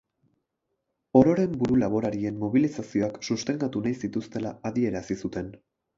Ororen buru laborarien mobilizazioak sustengatu nahi zituztela adierazi zuten.